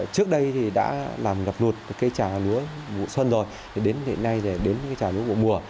trước đây thì đã làm ngập lụt cái trà lúa mùa xuân rồi đến hiện nay là đến cái trà lúa mùa mùa